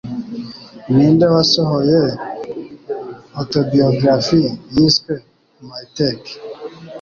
Ninde Wasohoye Autobiography Yiswe "My Take"